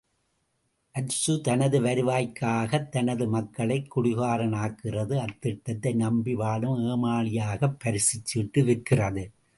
அர்சு தனது வருவாய்க்காகத் தனது மக்களைக் குடிகாரனாக்குகிறது அத்திட்டத்தை நம்பி வாழும் ஏமாளியாக்கப் பரிசுச் சீட்டு விற்கிறது.